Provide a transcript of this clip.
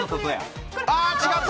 違った！